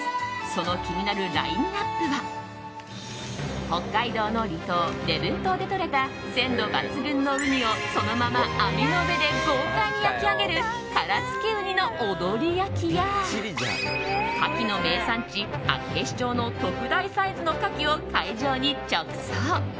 その気になるラインアップは北海道の離島、礼文島でとれた鮮度抜群のウニをそのまま網の上で豪快に焼き上げる殻付ウニの踊り焼きやカキの名産地・厚岸町の特大サイズのカキを会場に直送。